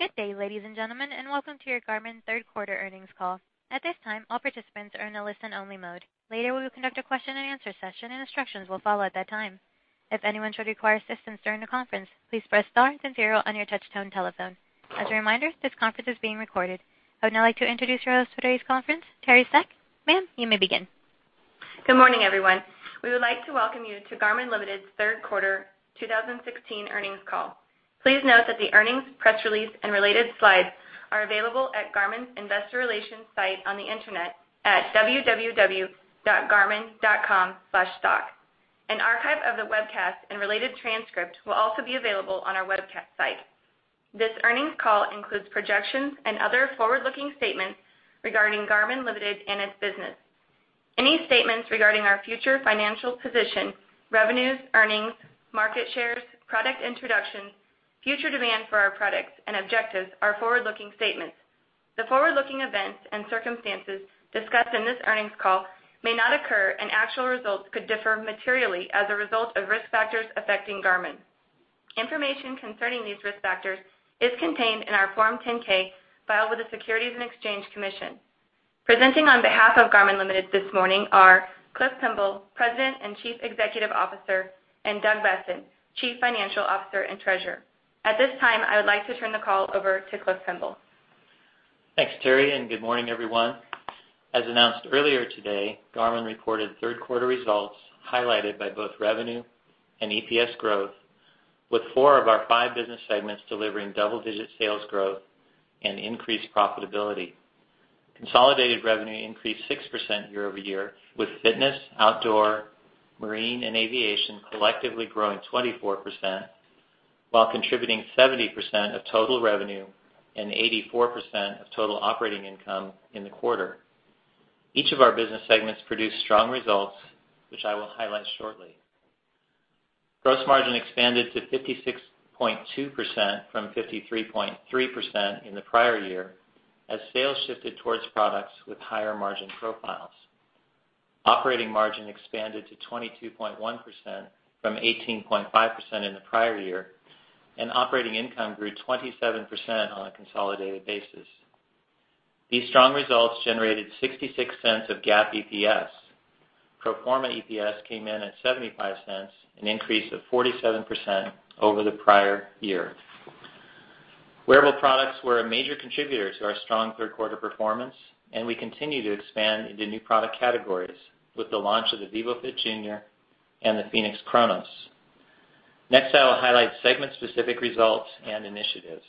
Good day, ladies and gentlemen, and welcome to your Garmin third quarter earnings call. At this time, all participants are in a listen-only mode. Later, we will conduct a question and answer session and instructions will follow at that time. If anyone should require assistance during the conference, please press star then zero on your touch-tone telephone. As a reminder, this conference is being recorded. I would now like to introduce your host for today's conference, Teri Seck. Ma'am, you may begin. Good morning, everyone. We would like to welcome you to Garmin Ltd.'s third quarter 2016 earnings call. Please note that the earnings, press release, and related slides are available at Garmin's investor relations site on the internet at www.garmin.com/stock. An archive of the webcast and related transcript will also be available on our webcast site. This earnings call includes projections and other forward-looking statements regarding Garmin Ltd. and its business. Any statements regarding our future financial position, revenues, earnings, market shares, product introductions, future demand for our products, and objectives are forward-looking statements. The forward-looking events and circumstances discussed in this earnings call may not occur, and actual results could differ materially as a result of risk factors affecting Garmin. Information concerning these risk factors is contained in our Form 10-K filed with the Securities and Exchange Commission. this morning are Cliff Pemble, President and Chief Executive Officer, and Doug Boessen, Chief Financial Officer and Treasurer. At this time, I would like to turn the call over to Cliff Pemble. Thanks, Teri, and good morning, everyone. As announced earlier today, Garmin reported third quarter results highlighted by both revenue and EPS growth, with four of our five business segments delivering double-digit sales growth and increased profitability. Consolidated revenue increased 6% year-over-year, with fitness, outdoor, marine, and aviation collectively growing 24%, while contributing 70% of total revenue and 84% of total operating income in the quarter. Each of our business segments produced strong results, which I will highlight shortly. Gross margin expanded to 56.2% from 53.3% in the prior year as sales shifted towards products with higher margin profiles. Operating margin expanded to 22.1% from 18.5% in the prior year, and operating income grew 27% on a consolidated basis. These strong results generated $0.66 of GAAP EPS. Pro forma EPS came in at $0.75, an increase of 47% over the prior year. Wearable products were a major contributor to our strong third quarter performance, and we continue to expand into new product categories with the launch of the vívofit jr. and the fēnix Chronos. I will highlight segment-specific results and initiatives.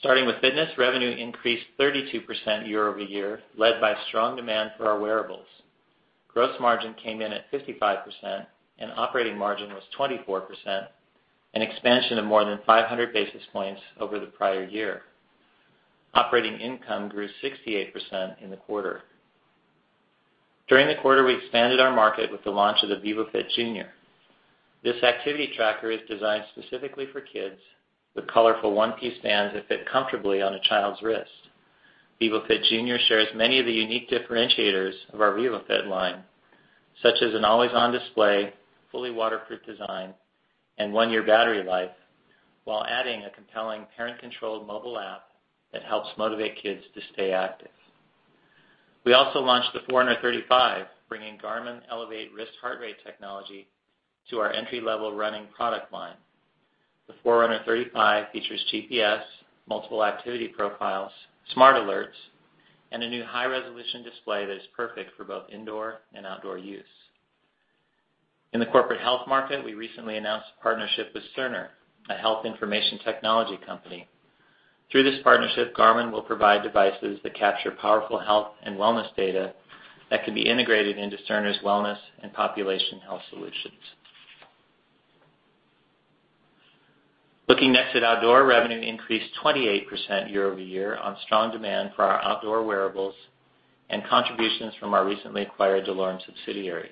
Starting with fitness, revenue increased 32% year-over-year, led by strong demand for our wearables. Gross margin came in at 55%, and operating margin was 24%, an expansion of more than 500 basis points over the prior year. Operating income grew 68% in the quarter. During the quarter, we expanded our market with the launch of the vívofit jr. This activity tracker is designed specifically for kids with colorful one-piece bands that fit comfortably on a child's wrist. Vívofit jr. shares many of the unique differentiators of our vívofit line, such as an always-on display, fully waterproof design, and one-year battery life, while adding a compelling parent-controlled mobile app that helps motivate kids to stay active. We also launched the Forerunner 35, bringing Garmin Elevate wrist heart rate technology to our entry-level running product line. The Forerunner 35 features GPS, multiple activity profiles, smart alerts, and a new high-resolution display that is perfect for both indoor and outdoor use. In the corporate health market, we recently announced a partnership with Cerner, a health information technology company. Through this partnership, Garmin will provide devices that capture powerful health and wellness data that can be integrated into Cerner's wellness and population health solutions. At outdoor, revenue increased 28% year-over-year on strong demand for our outdoor wearables and contributions from our recently acquired DeLorme subsidiary.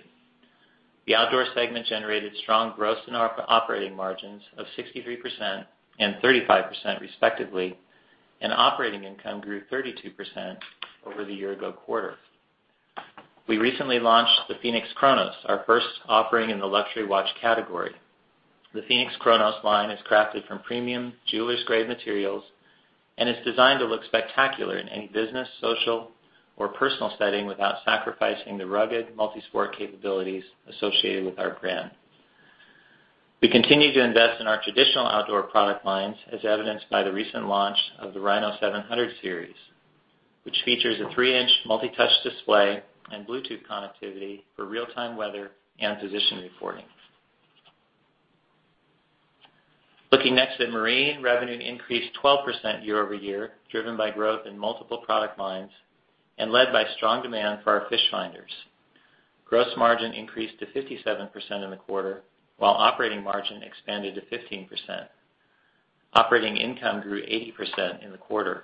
The outdoor segment generated strong gross and operating margins of 63% and 35%, respectively, and operating income grew 32% over the year-ago quarter. We recently launched the fēnix Chronos, our first offering in the luxury watch category. The fēnix Chronos line is crafted from premium, jewelers-grade materials, and is designed to look spectacular in any business, social, or personal setting without sacrificing the rugged multi-sport capabilities associated with our brand. We continue to invest in our traditional outdoor product lines, as evidenced by the recent launch of the Rino 700 series, which features a three-inch multi-touch display and Bluetooth connectivity for real-time weather and position reporting. At marine, revenue increased 12% year-over-year, driven by growth in multiple product lines and led by strong demand for our fish finders. Gross margin increased to 57% in the quarter, while operating margin expanded to 15%. Operating income grew 80% in the quarter.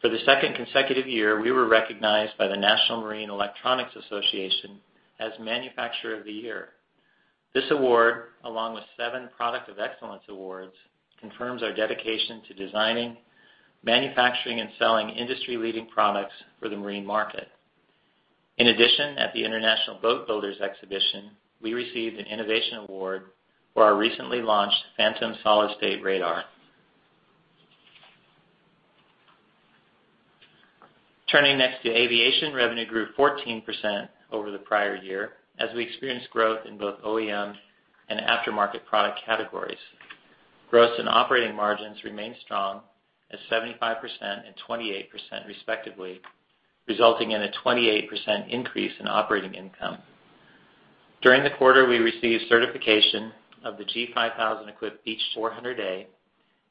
For the second consecutive year, we were recognized by the National Marine Electronics Association as Manufacturer of the Year. This award, along with seven Product of Excellence awards, confirms our dedication to designing, manufacturing, and selling industry-leading products for the marine market. In addition, at the International BoatBuilders' Exhibition, we received an innovation award for our recently launched Fantom solid-state radar. At aviation, revenue grew 14% over the prior year as we experienced growth in both OEM and aftermarket product categories. Gross and operating margins remained strong at 75% and 28%, respectively, resulting in a 28% increase in operating income. During the quarter, we received certification of the G5000-equipped Beechjet 400A,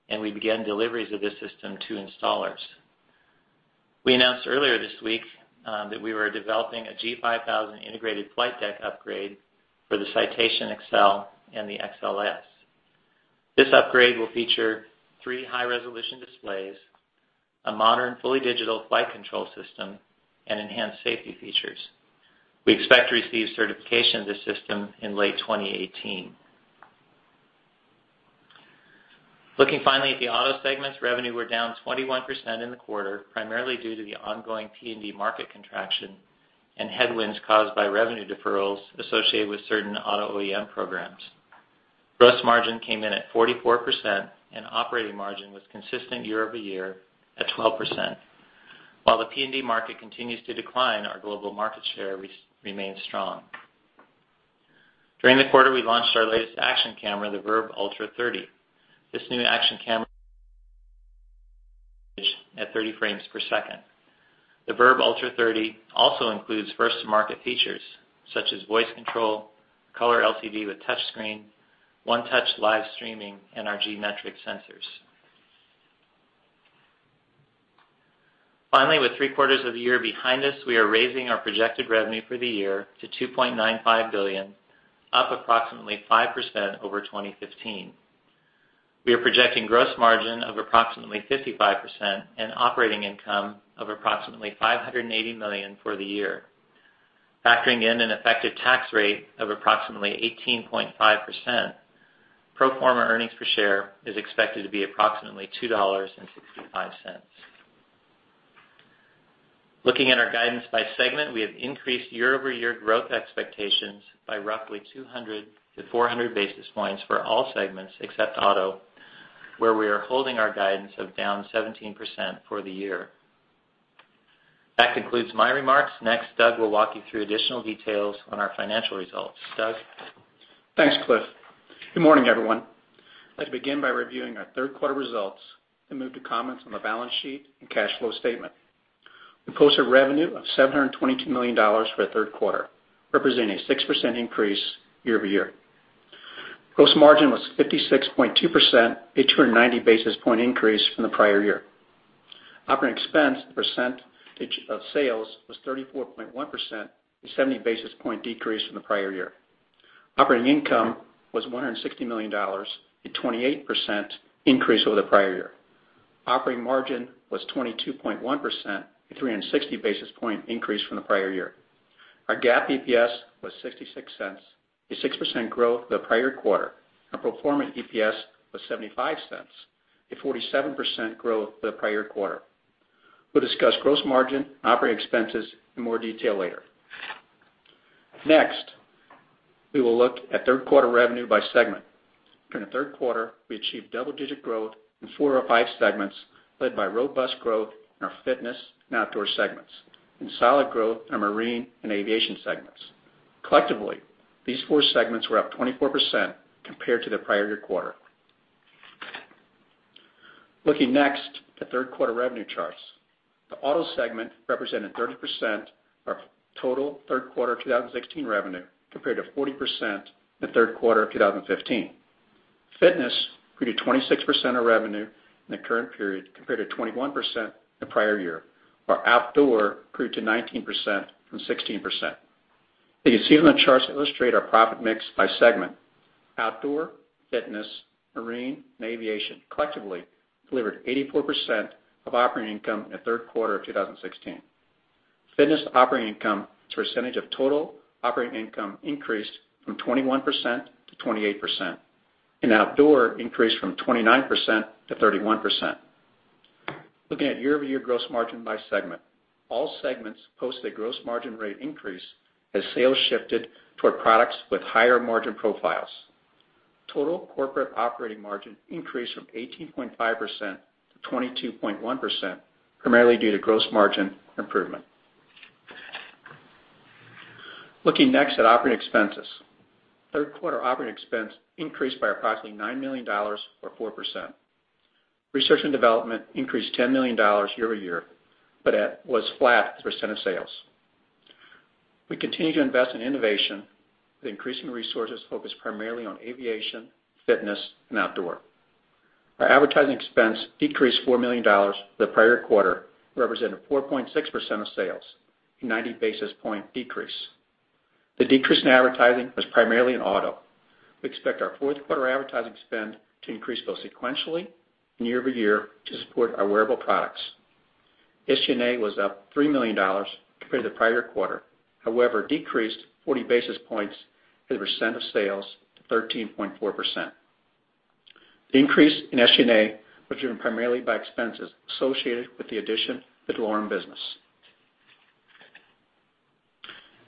and we began deliveries of this system to installers. We announced earlier this week that we were developing a G5000 integrated flight deck upgrade for the Citation Excel and the XLS. This upgrade will feature three high-resolution displays, a modern fully digital flight control system, and enhanced safety features. We expect to receive certification of this system in late 2018. Looking finally at the Auto segments, revenue were down 21% in the quarter, primarily due to the ongoing PND market contraction and headwinds caused by revenue deferrals associated with certain Auto OEM programs. Gross margin came in at 44%, and operating margin was consistent year-over-year at 12%. While the PND market continues to decline, our global market share remains strong. During the quarter, we launched our latest action camera, the VIRB Ultra 30. This new action camera at 30 frames per second. The VIRB Ultra 30 also includes first-to-market features such as voice control, color LCD with touch screen, one-touch live streaming, and our G-Metrix sensors. Finally, with three quarters of the year behind us, we are raising our projected revenue for the year to $2.95 billion, up approximately 5% over 2015. We are projecting gross margin of approximately 55% and operating income of approximately $580 million for the year. Factoring in an effective tax rate of approximately 18.5%, pro forma earnings per share is expected to be approximately $2.65. Looking at our guidance by segment, we have increased year-over-year growth expectations by roughly 200 to 400 basis points for all segments except Auto, where we are holding our guidance of down 17% for the year. That concludes my remarks. Next, Doug will walk you through additional details on our financial results. Doug? Thanks, Cliff. Good morning, everyone. I'd begin by reviewing our third quarter results, then move to comments on the balance sheet and cash flow statement. We posted revenue of $722 million for the third quarter, representing a 6% increase year-over-year. Gross margin was 56.2%, a 290 basis point increase from the prior year. Operating expense percentage of sales was 34.1%, a 70 basis point decrease from the prior year. Operating income was $160 million, a 28% increase over the prior year. Operating margin was 22.1%, a 360 basis point increase from the prior year. Our GAAP EPS was $0.66, a 6% growth the prior quarter. Our pro forma EPS was $0.75, a 47% growth the prior quarter. We'll discuss gross margin, operating expenses in more detail later. Next, we will look at third quarter revenue by segment. During the third quarter, we achieved double-digit growth in four of five segments, led by robust growth in our Fitness and Outdoor segments, and solid growth in our Marine and Aviation segments. Collectively, these four segments were up 24% compared to the prior year quarter. Looking next at the third quarter revenue charts. The Auto segment represented 30% of our total third quarter 2016 revenue, compared to 40% in the third quarter of 2015. Fitness grew to 26% of revenue in the current period, compared to 21% the prior year. Our Outdoor grew to 19% from 16%. As you see on the charts that illustrate our profit mix by segment, Outdoor, Fitness, Marine, and Aviation collectively delivered 84% of operating income in the third quarter of 2016. Fitness operating income as a percentage of total operating income increased from 21% to 28%, and Outdoor increased from 29% to 31%. Looking at year-over-year gross margin by segment. All segments posted a gross margin rate increase as sales shifted toward products with higher margin profiles. Total corporate operating margin increased from 18.5% to 22.1%, primarily due to gross margin improvement. Looking next at operating expenses. Third quarter operating expense increased by approximately $9 million or 4%. Research and development increased $10 million year-over-year, but was flat as a percent of sales. We continue to invest in innovation with increasing resources focused primarily on aviation, fitness, and outdoor. Our advertising expense decreased $4 million to the prior quarter, representing 4.6% of sales, a 90 basis point decrease. The decrease in advertising was primarily in auto. We expect our fourth quarter advertising spend to increase both sequentially and year-over-year to support our wearable products. SG&A was up $3 million compared to the prior quarter, however, decreased 40 basis points as a percent of sales to 13.4%. The increase in SG&A was driven primarily by expenses associated with the addition of the DeLorme business.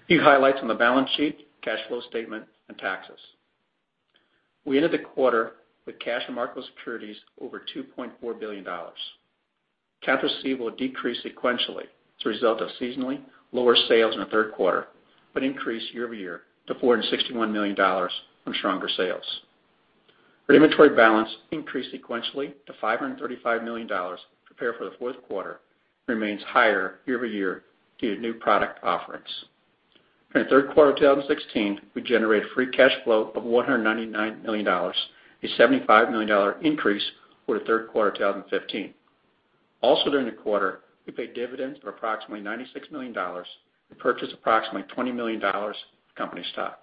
A few highlights on the balance sheet, cash flow statement, and taxes. We ended the quarter with cash and marketable securities over $2.4 billion. Cash received will decrease sequentially as a result of seasonally lower sales in the third quarter, but increase year-over-year to $461 million from stronger sales. Our inventory balance increased sequentially to $535 million prepared for the fourth quarter, remains higher year-over-year due to new product offerings. In the third quarter of 2016, we generated free cash flow of $199 million, a $75 million increase over the third quarter of 2015. Also, during the quarter, we paid dividends of approximately $96 million and purchased approximately $20 million of company stock.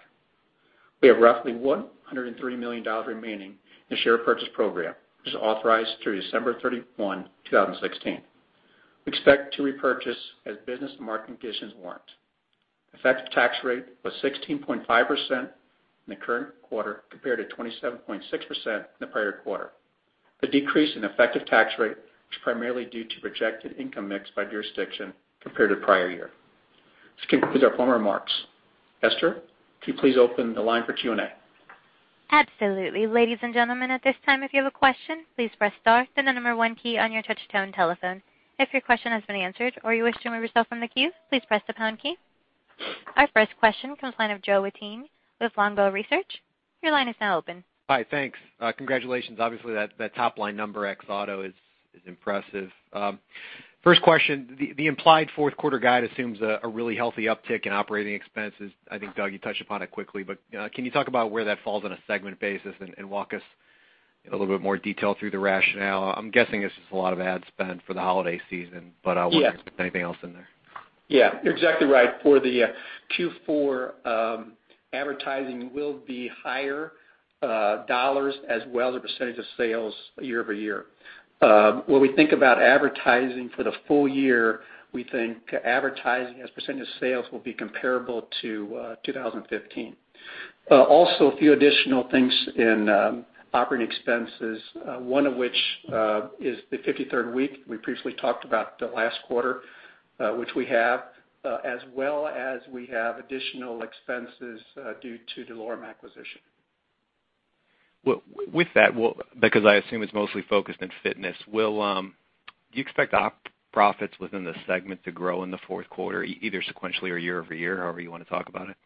We have roughly $103 million remaining in the share purchase program, which is authorized through December 31, 2016. We expect to repurchase as business and market conditions warrant. Effective tax rate was 16.5% in the current quarter, compared to 27.6% in the prior quarter. The decrease in effective tax rate was primarily due to projected income mix by jurisdiction compared to prior year. This concludes our formal remarks. Esther, could you please open the line for Q&A? Absolutely. Ladies and gentlemen, at this time, if you have a question, please press star, then the number 1 key on your touch-tone telephone. If your question has been answered or you wish to remove yourself from the queue, please press the pound key. Our first question comes the line of Joe Wittine with Longbow Research. Your line is now open. Hi. Thanks. Congratulations. Obviously, that top-line number ex auto is impressive. First question, the implied fourth quarter guide assumes a really healthy uptick in operating expenses. I think, Doug, you touched upon it quickly, but can you talk about where that falls on a segment basis and walk us in a little bit more detail through the rationale? I'm guessing it's just a lot of ad spend for the holiday season, but I wonder- Yes if there's anything else in there. Yeah, you're exactly right. For the Q4, advertising will be higher dollars as well as a percentage of sales year-over-year. When we think about advertising for the full year, we think advertising as a percentage of sales will be comparable to 2015. Also, a few additional things in operating expenses, one of which is the 53rd week we previously talked about the last quarter, which we have, as well as we have additional expenses due to DeLorme acquisition. With that, because I assume it's mostly focused in fitness, do you expect op profits within the segment to grow in the fourth quarter, either sequentially or year-over-year, however you want to talk about it?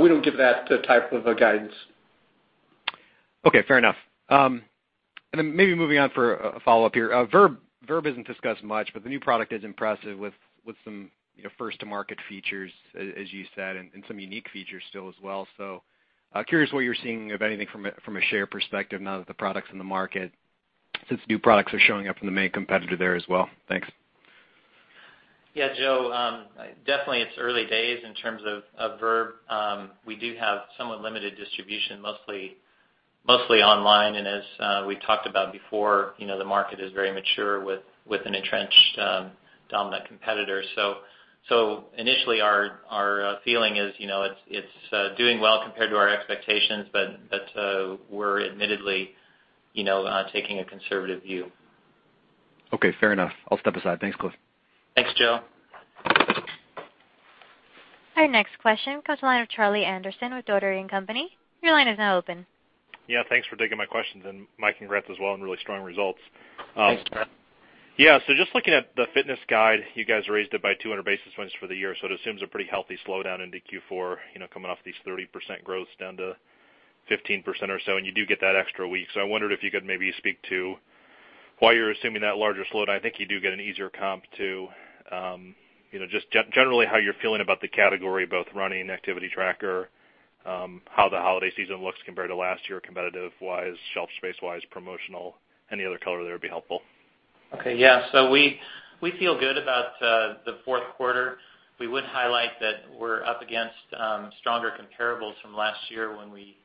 We don't give that type of a guidance. Okay, fair enough. Maybe moving on for a follow-up here. VIRB isn't discussed much, but the new product is impressive with some first to market features, as you said, and some unique features still as well. Curious what you're seeing, if anything, from a share perspective now that the product's in the market, since new products are showing up from the main competitor there as well. Thanks. Yeah, Joe. Definitely it's early days in terms of VIRB. We do have somewhat limited distribution, mostly online, and as we talked about before, the market is very mature with an entrenched dominant competitor. Initially, our feeling is it's doing well compared to our expectations, but we're admittedly taking a conservative view. Okay, fair enough. I'll step aside. Thanks, Cliff. Thanks, Joe. Our next question comes from the line of Charlie Anderson with Dougherty & Company. Your line is now open. Yeah, thanks for taking my questions, and my congrats as well on really strong results. Thanks, Charlie. Yeah. Just looking at the fitness guide, you guys raised it by 200 basis points for the year, so it assumes a pretty healthy slowdown into Q4, coming off these 30% growths down to 15% or so, and you do get that extra week. I wondered if you could maybe speak to why you're assuming that larger slowdown. I think you do get an easier comp too. Just generally how you're feeling about the category, both running, activity tracker, how the holiday season looks compared to last year competitive-wise, shelf space-wise, promotional, any other color there would be helpful. Okay, yeah. We feel good about the fourth quarter. We would highlight that we're up against stronger comparables from last year when we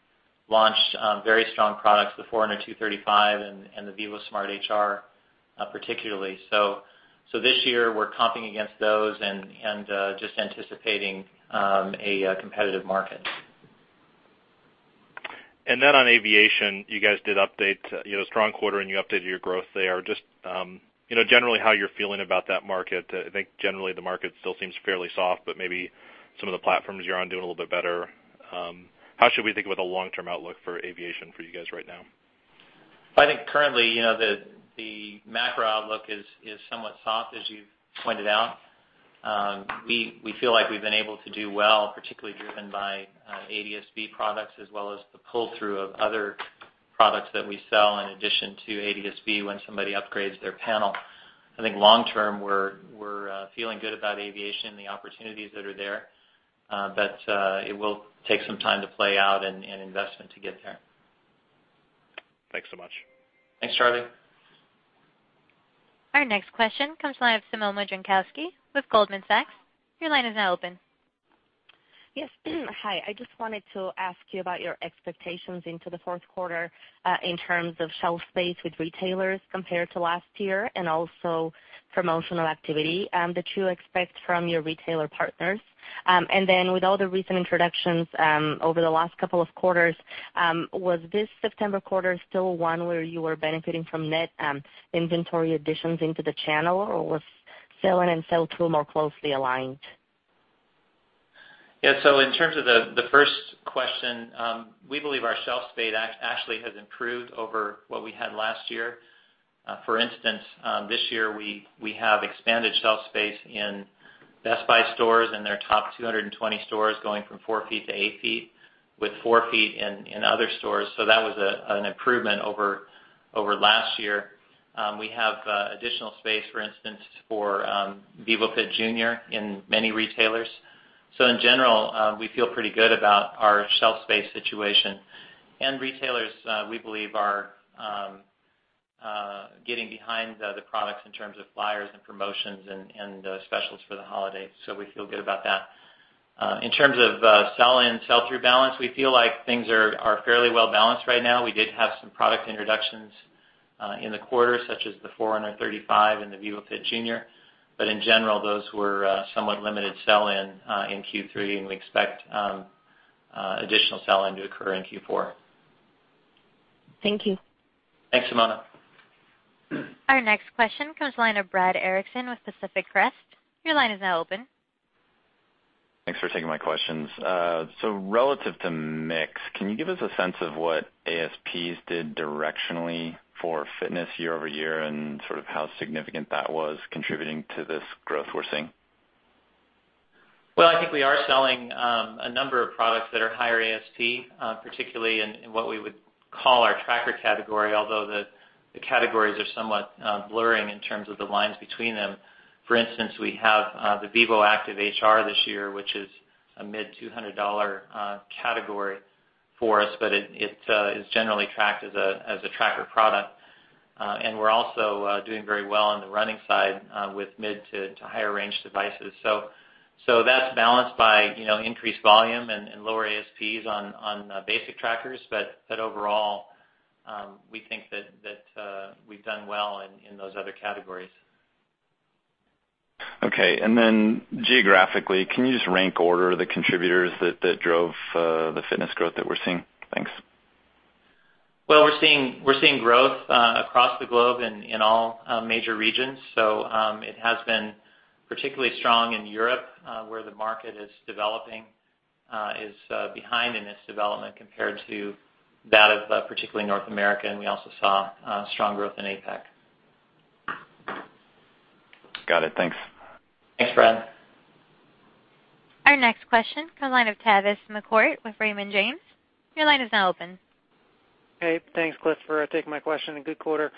launched very strong products, the Forerunner 235 and the vívosmart HR, particularly. This year, we're comping against those and just anticipating a competitive market. On aviation, you guys did update, strong quarter, and you updated your growth there. Just generally how you're feeling about that market. I think generally the market still seems fairly soft, but maybe some of the platforms you're on doing a little bit better. How should we think about the long-term outlook for aviation for you guys right now? I think currently, the macro outlook is somewhat soft, as you've pointed out. We feel like we've been able to do well, particularly driven by ADS-B products as well as the pull-through of other products that we sell in addition to ADS-B when somebody upgrades their panel. I think long term, we're feeling good about aviation and the opportunities that are there. It will take some time to play out and investment to get there. Thanks so much. Thanks, Charlie. Our next question comes the line of Simona Jankowski with Goldman Sachs. Your line is now open. Yes. Hi. I just wanted to ask you about your expectations into the fourth quarter, in terms of shelf space with retailers compared to last year, and also promotional activity that you expect from your retailer partners. Then with all the recent introductions over the last couple of quarters, was this September quarter still one where you were benefiting from net inventory additions into the channel, or was sell-in and sell-through more closely aligned? Yes. In terms of the first question, we believe our shelf space actually has improved over what we had last year. For instance, this year we have expanded shelf space in Best Buy stores in their top 220 stores, going from four feet to eight feet, with four feet in other stores. That was an improvement over last year. We have additional space, for instance, for vívofit jr. in many retailers. In general, we feel pretty good about our shelf space situation. Retailers, we believe, are getting behind the products in terms of flyers and promotions and specials for the holidays, so we feel good about that. In terms of sell-in and sell-through balance, we feel like things are fairly well-balanced right now. We did have some product introductions in the quarter, such as the Forerunner 35 and the vívofit jr. In general, those were somewhat limited sell-in in Q3, and we expect additional sell-in to occur in Q4. Thank you. Thanks, Simona. Our next question comes the line of Brad Erickson with Pacific Crest. Your line is now open. Thanks for taking my questions. Relative to mix, can you give us a sense of what ASPs did directionally for fitness year-over-year, and how significant that was contributing to this growth we're seeing? Well, I think we are selling a number of products that are higher ASP, particularly in what we would call our tracker category, although the categories are somewhat blurring in terms of the lines between them. For instance, we have the vívoactive HR this year, which is a mid-$200 category for us, but it is generally tracked as a tracker product. We're also doing very well on the running side with mid to higher range devices. That's balanced by increased volume and lower ASPs on basic trackers. Overall, we think that we've done well in those other categories. Okay. Then geographically, can you just rank order the contributors that drove the fitness growth that we're seeing? Thanks. Well, we're seeing growth across the globe in all major regions. It has been particularly strong in Europe, where the market is behind in its development compared to that of particularly North America, and we also saw strong growth in APAC. Got it. Thanks. Thanks, Brad. Our next question comes the line of Tavis McCourt with Raymond James. Your line is now open. Hey, thanks, Cliff, for taking my question, and good quarter.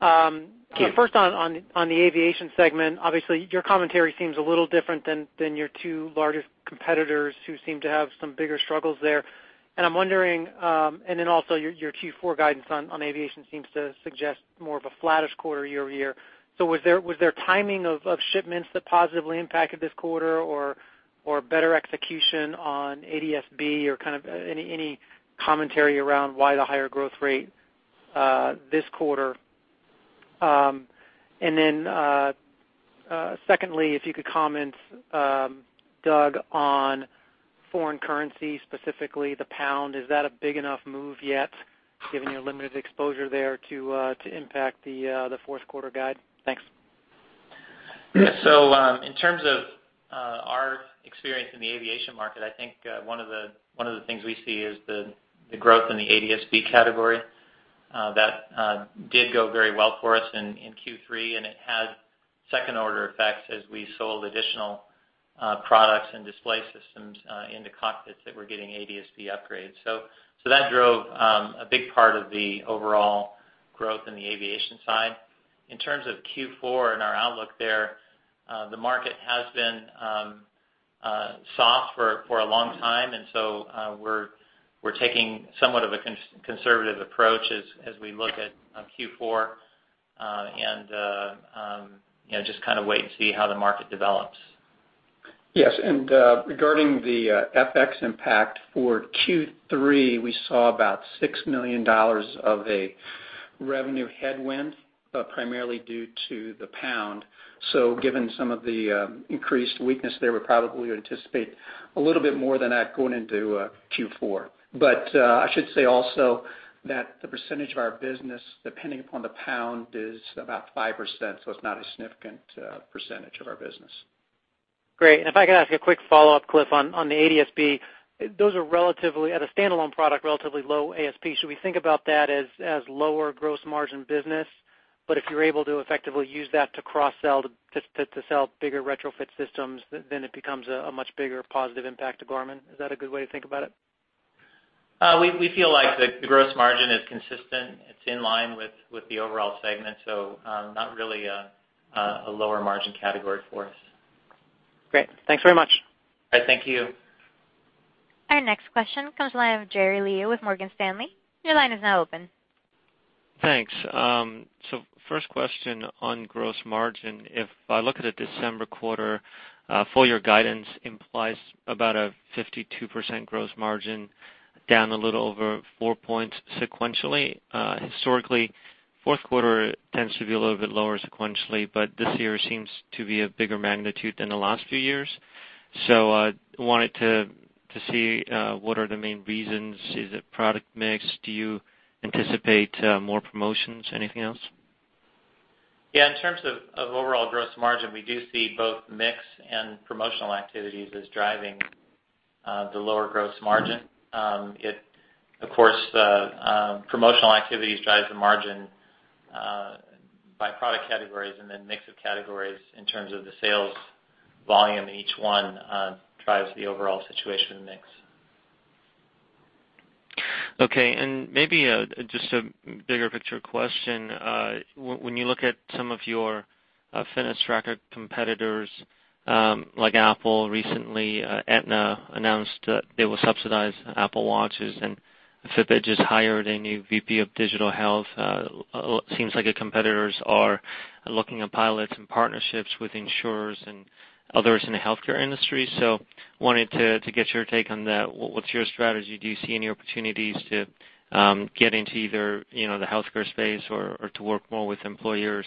First on the aviation segment, obviously, your commentary seems a little different than your two largest competitors who seem to have some bigger struggles there. Your Q4 guidance on aviation seems to suggest more of a flattish quarter year-over-year. Was there timing of shipments that positively impacted this quarter, or better execution on ADS-B or any commentary around why the higher growth rate this quarter? If you could comment, Doug, on foreign currency, specifically the pound. Is that a big enough move yet given your limited exposure there to impact the fourth quarter guide? Thanks. In terms of our experience in the aviation market, I think one of the things we see is the growth in the ADS-B category. That did go very well for us in Q3, and it had second order effects as we sold additional products and display systems into cockpits that were getting ADS-B upgrades. That drove a big part of the overall growth in the aviation side. In terms of Q4 and our outlook there, the market has been soft for a long time, we're taking somewhat of a conservative approach as we look at Q4 and just wait and see how the market develops. Yes. Regarding the FX impact for Q3, we saw about $6 million of a revenue headwind, primarily due to the pound. Given some of the increased weakness there, we probably anticipate a little bit more than that going into Q4. I should say also that the percentage of our business, depending upon the pound, is about 5%, so it's not a significant percentage of our business. Great. If I could ask a quick follow-up, Cliff, on the ADS-B. Those are, at a standalone product, relatively low ASP. Should we think about that as lower gross margin business? If you're able to effectively use that to cross-sell, to sell bigger retrofit systems, then it becomes a much bigger positive impact to Garmin. Is that a good way to think about it? We feel like the gross margin is consistent. It's in line with the overall segment, so not really a lower margin category for us. Great. Thanks very much. Thank you. Our next question comes the line of Jerry Liu with Morgan Stanley. Your line is now open. Thanks. First question on gross margin. If I look at the December quarter, full-year guidance implies about a 52% gross margin, down a little over four points sequentially. Historically, fourth quarter tends to be a little bit lower sequentially, but this year seems to be a bigger magnitude than the last few years. I wanted to see what are the main reasons. Is it product mix? Do you anticipate more promotions? Anything else? Yeah. In terms of overall gross margin, we do see both mix and promotional activities as driving the lower gross margin. Of course, promotional activities drive the margin by product categories and then mix of categories in terms of the sales volume, each one drives the overall situation mix. Okay. Maybe just a bigger picture question. When you look at some of your fitness tracker competitors, like Apple recently, Aetna announced that they will subsidize Apple Watches, and Fitbit just hired a new VP of digital health. Seems like your competitors are looking at pilots and partnerships with insurers and others in the healthcare industry. I wanted to get your take on that. What's your strategy? Do you see any opportunities to get into either the healthcare space or to work more with employers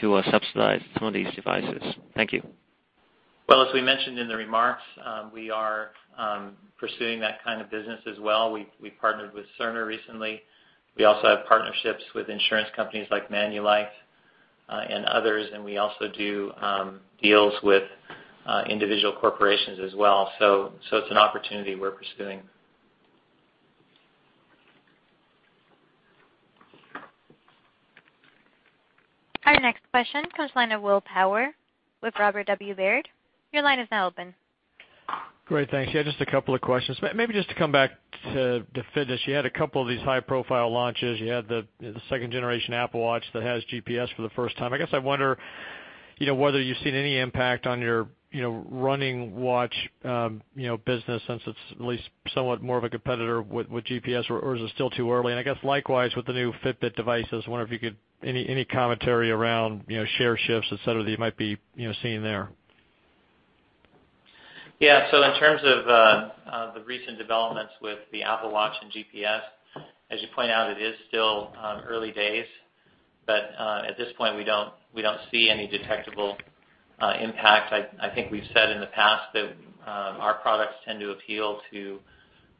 to subsidize some of these devices? Thank you. Well, as we mentioned in the remarks, we are pursuing that kind of business as well. We partnered with Cerner recently. We also have partnerships with insurance companies like Manulife and others, and we also do deals with individual corporations as well. It's an opportunity we're pursuing. Our next question comes line of Will Power with Robert W. Baird. Your line is now open. Great. Thanks. Yeah, just a couple of questions. Maybe just to come back to fitness. You had a couple of these high-profile launches. You had the second generation Apple Watch that has GPS for the first time. I guess I wonder whether you've seen any impact on your running watch business, since it's at least somewhat more of a competitor with GPS, or is it still too early? I guess likewise with the new Fitbit devices, I wonder if you could any commentary around share shifts, et cetera, that you might be seeing there. Yeah. In terms of the recent developments with the Apple Watch and GPS, as you point out, it is still early days, but at this point, we don't see any detectable impact. I think we've said in the past that our products tend to appeal to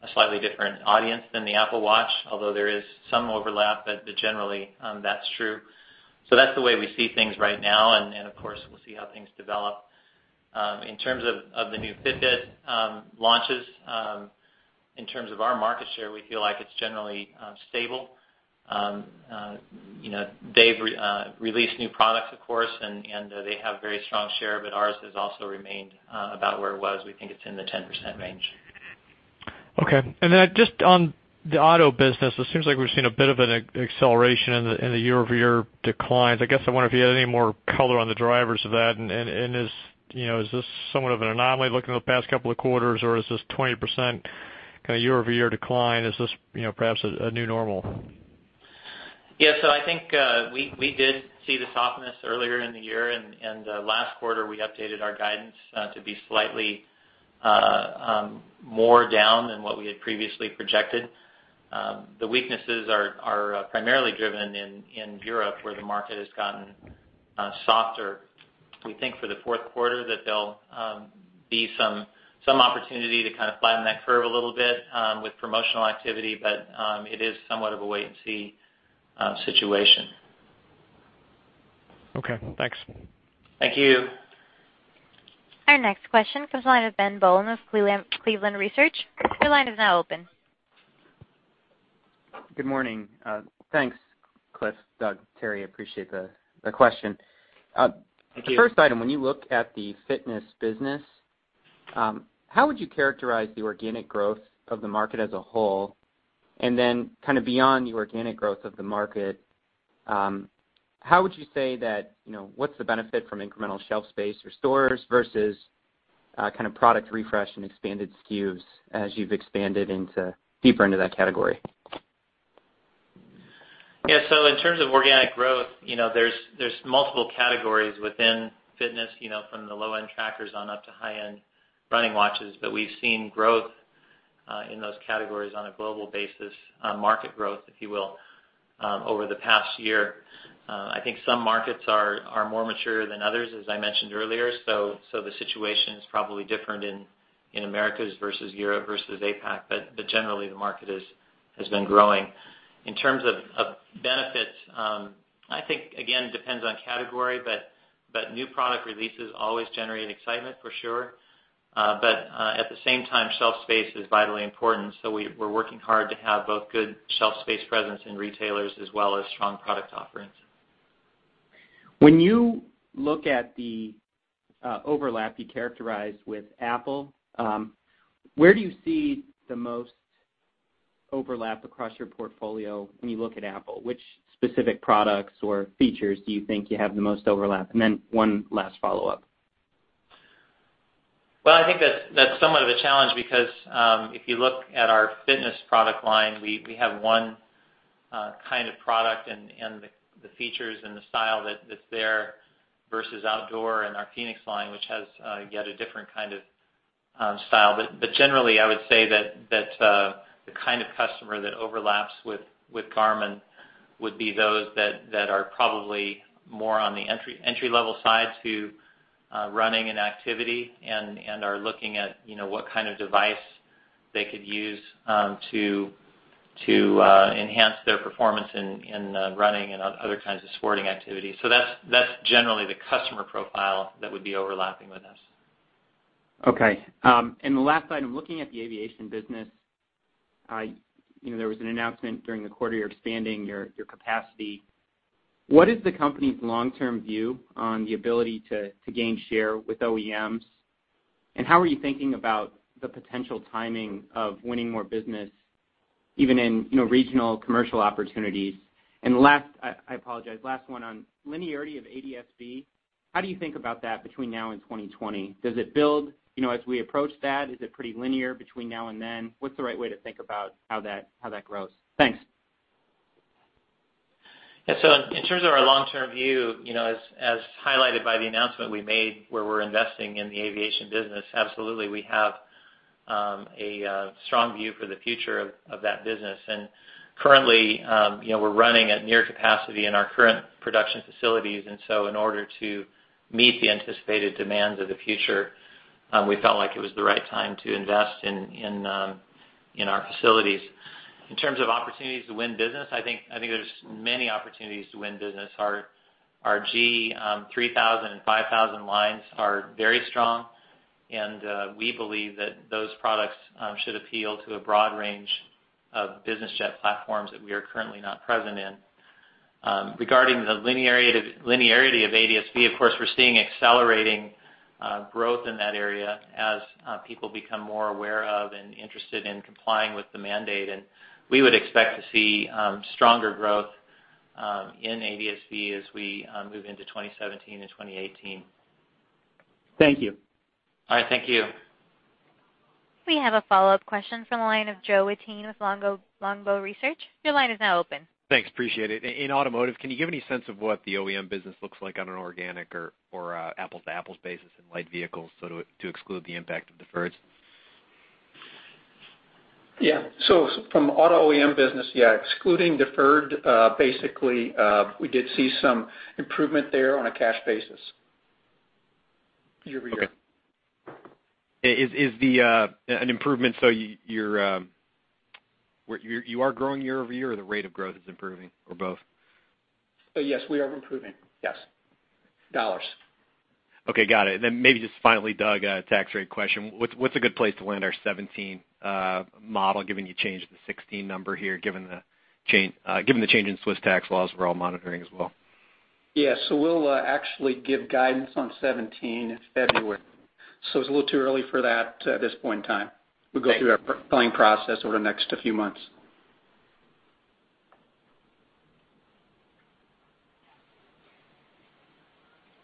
a slightly different audience than the Apple Watch, although there is some overlap, generally that's true. That's the way we see things right now, of course, we'll see how things develop. In terms of the new Fitbit launches, in terms of our market share, we feel like it's generally stable. They've released new products, of course, and they have very strong share, but ours has also remained about where it was. We think it's in the 10% range. Okay. Just on the auto business, it seems like we've seen a bit of an acceleration in the year-over-year declines. I guess I wonder if you had any more color on the drivers of that, is this somewhat of an anomaly looking at the past couple of quarters, or is this 20% kind of year-over-year decline, is this perhaps a new normal? Yeah. I think we did see the softness earlier in the year, and last quarter, we updated our guidance to be slightly more down than what we had previously projected. The weaknesses are primarily driven in Europe, where the market has gotten softer. We think for the fourth quarter that there'll be some opportunity to kind of flatten that curve a little bit with promotional activity, but it is somewhat of a wait-and-see situation. Okay, thanks. Thank you. Our next question comes the line of Ben Bollin of Cleveland Research. Your line is now open. Good morning. Thanks, Cliff, Doug, Teri. Appreciate the question. Thank you. The first item, when you look at the fitness business, how would you characterize the organic growth of the market as a whole? Then kind of beyond the organic growth of the market, how would you say what's the benefit from incremental shelf space or stores versus kind of product refresh and expanded SKUs as you've expanded deeper into that category? Yeah. In terms of organic growth, there is multiple categories within fitness, from the low-end trackers on up to high-end running watches. We've seen growth in those categories on a global basis, market growth, if you will, over the past year. I think some markets are more mature than others, as I mentioned earlier. The situation is probably different in Americas versus Europe versus APAC. Generally, the market has been growing. In terms of benefits, I think, again, depends on category, but new product releases always generate excitement for sure. At the same time, shelf space is vitally important. We're working hard to have both good shelf space presence in retailers as well as strong product offerings. When you look at the overlap you characterized with Apple, where do you see the most overlap across your portfolio when you look at Apple? Which specific products or features do you think you have the most overlap? One last follow-up. Well, I think that's somewhat of a challenge because if you look at our fitness product line, we have one kind of product and the features and the style that's there versus outdoor and our fēnix line, which has yet a different kind of style. Generally, I would say that the kind of customer that overlaps with Garmin would be those that are probably more on the entry-level side to running and activity, and are looking at what kind of device they could use to enhance their performance in running and other kinds of sporting activities. That's generally the customer profile that would be overlapping with us. Okay. The last item, looking at the aviation business, there was an announcement during the quarter, you're expanding your capacity. What is the company's long-term view on the ability to gain share with OEMs? How are you thinking about the potential timing of winning more business, even in regional commercial opportunities? Last, I apologize, last one on linearity of ADS-B. How do you think about that between now and 2020? Does it build as we approach that? Is it pretty linear between now and then? What's the right way to think about how that grows? Thanks. Yeah. In terms of our long-term view, as highlighted by the announcement we made where we're investing in the aviation business, absolutely, we have a strong view for the future of that business. Currently, we're running at near capacity in our current production facilities. In order to meet the anticipated demands of the future, we felt like it was the right time to invest in our facilities. In terms of opportunities to win business, I think there's many opportunities to win business. Our G3000 and G5000 lines are very strong, and we believe that those products should appeal to a broad range of business jet platforms that we are currently not present in. Regarding the linearity of ADS-B, of course, we're seeing accelerating growth in that area as people become more aware of and interested in complying with the mandate, and we would expect to see stronger growth in ADS-B as we move into 2017 and 2018. Thank you. All right. Thank you. We have a follow-up question from the line of Joe Wittine with Longbow Research. Your line is now open. Thanks. Appreciate it. In automotive, can you give any sense of what the OEM business looks like on an organic or apples-to-apples basis in light vehicles, to exclude the impact of deferreds? Yeah. From auto OEM business, yeah, excluding deferred, basically, we did see some improvement there on a cash basis year-over-year. Okay. An improvement, you are growing year-over-year, or the rate of growth is improving, or both? Yes, we are improving. Yes. U.S. dollars. Okay, got it. Maybe just finally, Doug, a tax rate question. What's a good place to land our 2017 model, given you changed the 2016 number here, given the change in Swiss tax laws we're all monitoring as well? Yeah. We'll actually give guidance on 2017 in February. It's a little too early for that at this point in time. Okay. We'll go through our planning process over the next few months.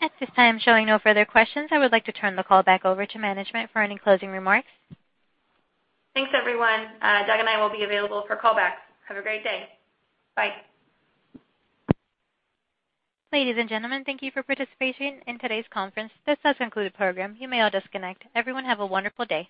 At this time, showing no further questions. I would like to turn the call back over to management for any closing remarks. Thanks, everyone. Doug and I will be available for call back. Have a great day. Bye. Ladies and gentlemen, thank you for participating in today's conference. This does conclude the program. You may all disconnect. Everyone have a wonderful day.